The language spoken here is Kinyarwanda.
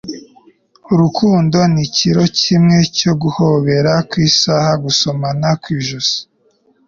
urukundo ni kilo kimwe cyo guhobera ku isaha, gusomana ku ijosi